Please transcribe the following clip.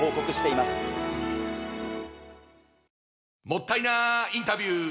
もったいなインタビュー！